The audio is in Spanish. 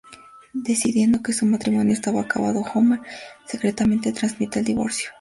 Decidiendo que su matrimonio estaba acabado, Homer, secretamente, tramita el divorcio.